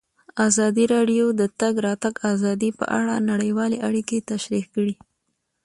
ازادي راډیو د د تګ راتګ ازادي په اړه نړیوالې اړیکې تشریح کړي.